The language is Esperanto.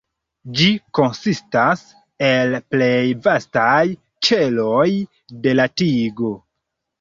Ĝi konsistas el plej vastaj ĉeloj de la tigo.